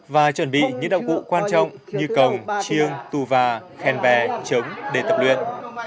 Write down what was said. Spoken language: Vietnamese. và chuẩn bị những đạo cụ quan trọng như cồng chiêng tù và khen bè trống để tập luyện